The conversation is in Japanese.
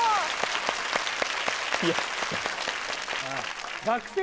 いや。